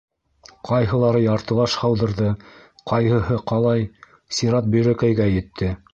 Ҡайһылары яртылаш һауҙырҙы, ҡайһыһы ҡалай - сират Бөйрәкәйгә етте.